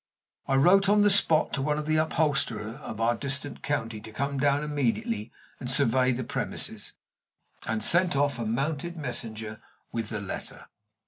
I wrote on the spot to the one upholsterer of our distant county town to come immediately and survey the premises, and sent off a mounted messenger with the letter.